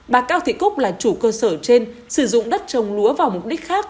bà cao thị cúc là chủ cơ sở trên sử dụng đất trồng lúa vào mục đích khác